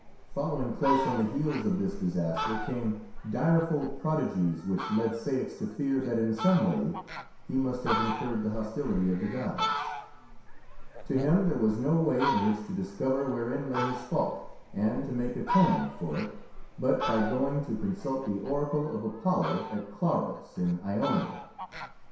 Following close on the heels of this disaster came direful prodigies which led Ceyx to fear that in some way he must have incurred the hostility of the gods. To him there was no way in which to discover wherein lay his fault, and to make atonement for it, but by going to consult the oracle of Apollo at Claros, in Ionia.